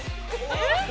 えっ？